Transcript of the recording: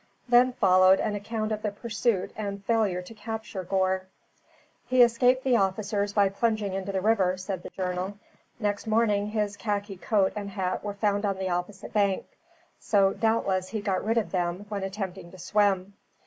Then followed an account of the pursuit and failure to capture Gore. "He escaped the officers by plunging into the river," said the journal. "Next morning his khaki coat and hat were found on the opposite bank, so doubtless he got rid of them when attempting to swim.